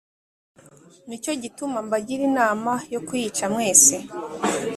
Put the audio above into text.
ni cyo gituma mbagira inama yo kuyica mwese